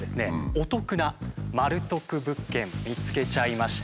お得なマル得物件見つけちゃいました。